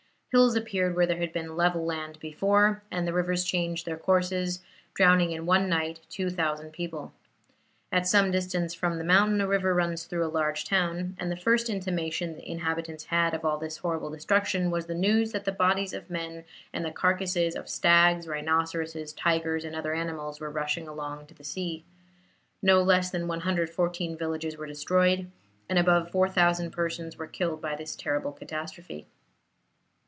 Hills appeared where there had been level land before, and the rivers changed their courses, drowning in one night 2,000 people. At some distance from the mountain a river runs through a large town, and the first intimation the inhabitants had of all this horrible destruction was the news that the bodies of men and the carcases of stags, rhinoceroses, tigers, and other animals, were rushing along to the sea. No less than 114 villages were destroyed, and above 4,000 persons were killed by this terrible catastrophe.